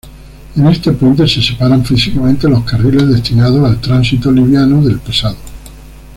En este puente se separan físicamente los carriles destinados al tránsito liviano del pesado.